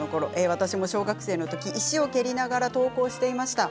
小学生のとき石を蹴りながら登校していました。